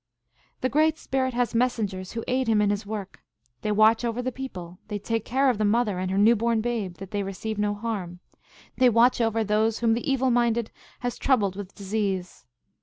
" The Great Spirit, has messengers, who aid him in his work. They watch over the people. They take care of the mother and her new born babe, that they receive no harm ; they watch over those whom the Evil Minded has troubled with disease.